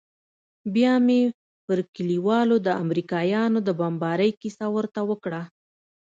بيا مې پر كليوالو د امريکايانو د بمبارۍ كيسه ورته وكړه.